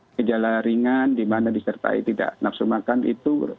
gejala ringan di mana disertai tidak nafsu makan itu